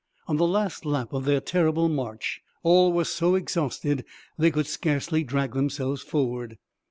On the last lap of their terrible march all were so exhausted they could scarcely drag themselves forward.